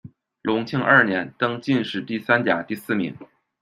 隆庆二年，登进士第三甲第四名。